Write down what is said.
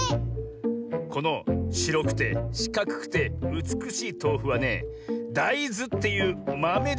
このしろくてしかくくてうつくしいとうふはね「だいず」っていうまめでできてるのさ。